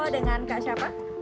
oh dengan kak siapa